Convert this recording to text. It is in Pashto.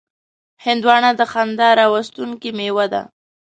هندوانه د خندا راوستونکې میوه ده.